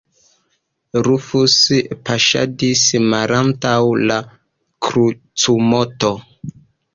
Rufus paŝadis malantaŭ la krucumoto.